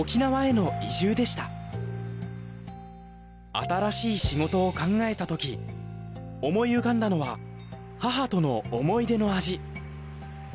新しい仕事を考えたとき思い浮かんだのは母との思い出の味。